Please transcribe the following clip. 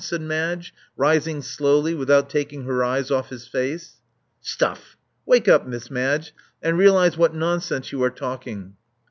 said Madge, rising slowly without taking her eyes off his face. Stuff! Wake up. Miss Madge; and realize what ^ nonsense you are talking.